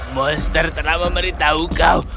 monster telah memberitahu kau